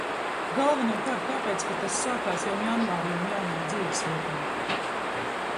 Galvenokārt tāpēc, ka tas sākās jau janvārī un jaunā dzīvesvietā.